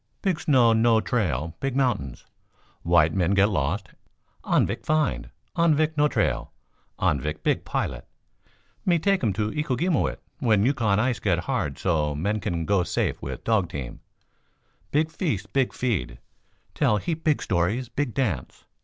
"Big snow no trail big mountains. White men get lost. Anvik find, Anvik know trail. Anvik big pilot. Me take um to Ikogimeut when Yukon ice get hard so man can go safe with dog team. Big feast, big feed, tell heap big stories, big dance.